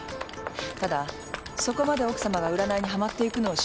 ただそこまで奥さまが占いにはまっていくのを心配して。